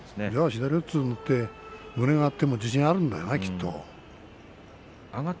左四つで胸が合っても自信があるんだね、きっと。